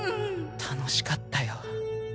楽しかったよ。